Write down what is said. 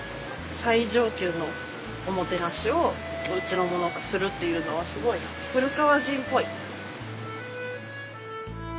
最上級のおもてなしをおうちの者がするっていうのはすごい古川人っぽい。